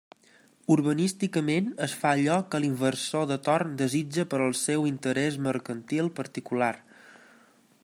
Urbanísticament es fa allò que l'inversor de torn desitja per al seu interés mercantil particular.